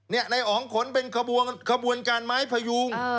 นายอ๋องขนเป็นขบวนการไม้พยุง